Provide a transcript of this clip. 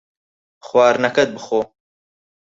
خواردنەکەت بخۆ.